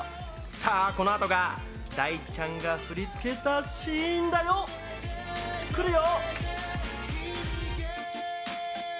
さあこのあとが大ちゃんが振り付けたシーンだよ。来るよ！